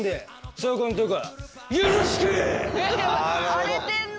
荒れてんな。